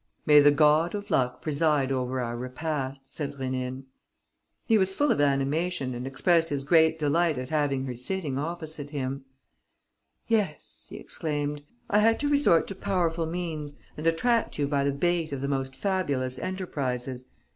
"May the god of luck preside over our repast," said Rénine. He was full of animation and expressed his great delight at having her sitting opposite him: "Yes," he exclaimed, "I had to resort to powerful means and attract you by the bait of the most fabulous enterprises.